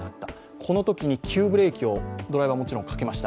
このときに急ブレーキをドライバーはもちろんかけました。